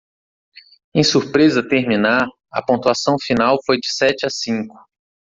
Em surpresa terminar? a pontuação final foi de sete a cinco.